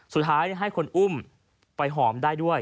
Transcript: สุดท้ายให้คนอุ้มไปหอมได้ด้วย